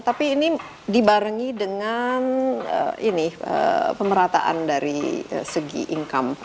tapi ini dibarengi dengan ini pemerataan dari segi income